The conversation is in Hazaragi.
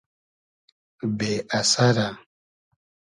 بې اسئرۂ